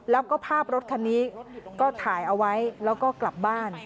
แล้วก็ภาพรถคันนี้ก็ถ่ายเอาไว้แล้วก็กลับบ้าน